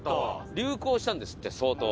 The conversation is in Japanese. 流行したんですって相当。